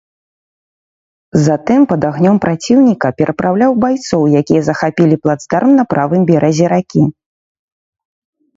Затым пад агнём праціўніка перапраўляў байцоў, якія захапілі плацдарм на правым беразе ракі.